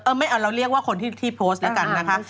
ไม่เอาเราเรียกว่าคนที่โพสต์แล้วกันนะคะ